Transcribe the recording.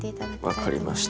はい分かりました。